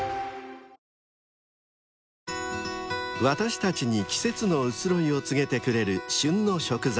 ［私たちに季節の移ろいを告げてくれる］